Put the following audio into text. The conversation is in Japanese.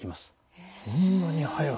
そんなに早く。